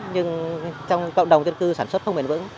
nhưng trong cộng đồng dân cư sản xuất không bền vững